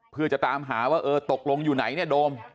เพื่อจะตามหาว่าเออตกลงอยู่ไหนเนี่ยโดม